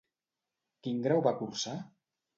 Quin grau va cursar?